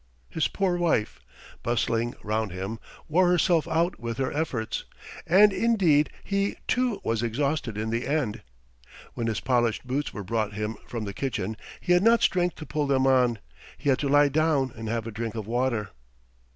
His poor wife, bustling round him, wore herself out with her efforts. And indeed he, too, was exhausted in the end. When his polished boots were brought him from the kitchen he had not strength to pull them on. He had to lie down and have a drink of water.